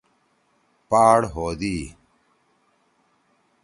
ن پاڑ ہودی۔